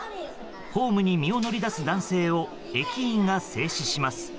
ホームに身を乗り出す男性を駅員が制止します。